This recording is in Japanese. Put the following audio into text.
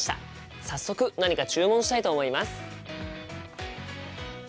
早速何か注文したいと思います！